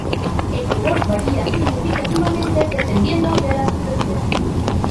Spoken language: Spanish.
El color varía significativamente dependiendo de la subespecie.